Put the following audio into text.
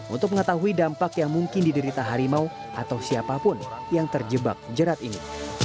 untuk mengetahui dampak yang mungkin diderita harimau atau siapapun yang terjebak jerat ini